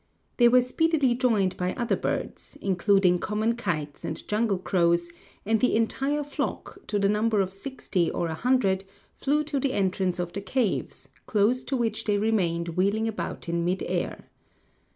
They were speedily joined by other birds, including common kites and jungle crows, and the entire flock, to the number of sixty or a hundred, flew to the entrance of the caves, close to which they remained wheeling about in mid air.